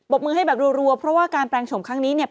บมือให้แบบรัวเพราะว่าการแปลงชมครั้งนี้เนี่ย